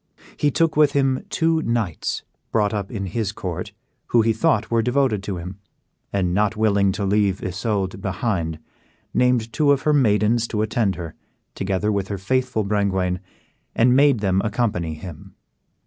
He took with him two knights, brought up in his court, who he thought were devoted to him; and, not willing to leave Isoude behind, named two of her maidens to attend her, together with her faithful Brengwain, and made them accompany him.